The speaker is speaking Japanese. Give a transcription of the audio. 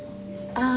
ああ！